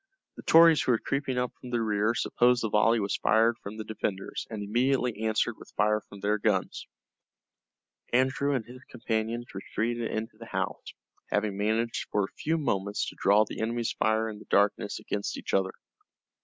The Tories who were creeping up from the rear supposed the volley was fired from the defenders, and immediately answered with fire from their guns. Andrew and his companions retreated into the house, having managed for a few moments to draw the enemy's fire in the darkness against each other.